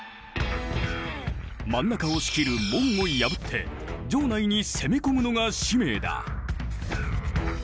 真ん中を仕切る「門」を破って城内に攻め込むのが使命だ。